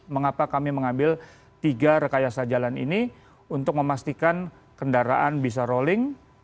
mengapa kami mengambil tiga rekayasa jalan ini untuk memastikan kendaraan bisa rolling